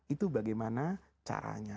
itu bagaimana caranya